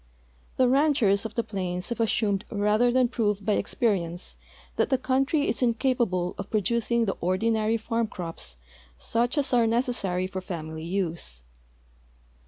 The ranchers of the plains have assumed rather than i)roved by exjierience that the country is incapa ble of producing the ordinary farm crops, such as are necessary for family use.